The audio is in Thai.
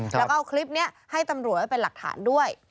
แล้วก็เอาคลิปนี้ให้ตำรวจไว้เป็นหลักฐานด้วย